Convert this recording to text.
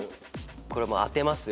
これ当てますよ。